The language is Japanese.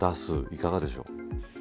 いかがでしょう。